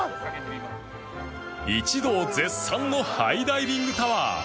一同絶賛のハイダイビングタワー